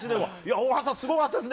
大橋さん、すごかったですね。